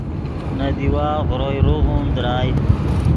نے دیوا غروئے روغون درائے